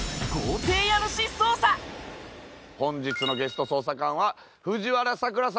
本日のゲスト捜査官は藤原さくらさんです。